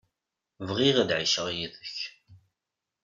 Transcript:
Bɣiɣ ad ɛiceɣ yid-k.